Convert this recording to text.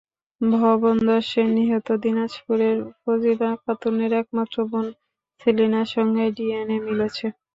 ভবনধসে নিহত দিনাজপুরের ফজিলা খাতুনের একমাত্র বোন সেলিনার সঙ্গে ডিএনএ মিলেছে।